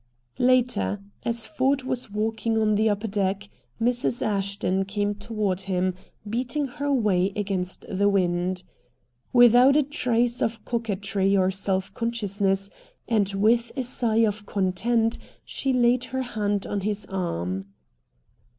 Later, as Ford was walking on the upper deck, Mrs. Ashton came toward him, beating her way against the wind. Without a trace of coquetry or self consciousness, and with a sigh of content, she laid her hand on his arm.